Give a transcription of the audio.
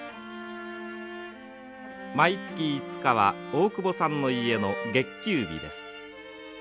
毎月５日は大久保さんの家の月給日です。